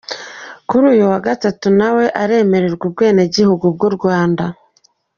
Kuri uyu wa Gatatu nawe aremererwa ubwenegihugu bw'u Rwanda .